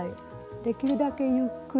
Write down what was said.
できるだけゆっくりと。